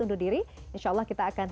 undur diri insya allah kita akan